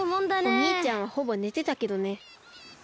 おにいちゃんはほぼねてたけどね。